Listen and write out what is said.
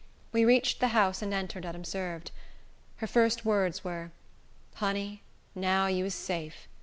We reached the house and entered unobserved. Her first words were: "Honey, now you is safe.